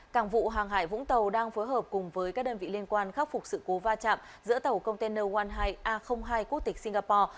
cảng vụ hàng hải vũng tàu đang phối hợp cùng với các đơn vị liên quan khắc phục sự cố va chạm giữa tàu container wan hai a hai quốc tịch singapore